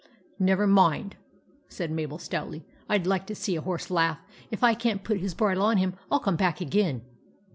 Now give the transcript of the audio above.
" Never mind," said Mabel, stoutly. " I 'd like to see a horse laugh. If I can't put his bridle on him I '11 come back again."